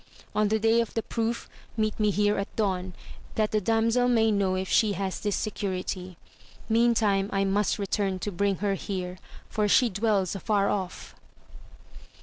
On the day of the proof, meet me here at dawn, that the damsel may know if she has this security ; meantime I must return to bring her here, for she dwells' afar off.